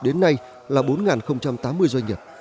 đến nay là bốn tám mươi doanh nghiệp